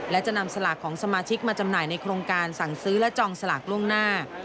และจะนำสลากของสมาชิกมาจำหน่ายในโครงการสั่งซื้อและจองสลากล่วงหน้า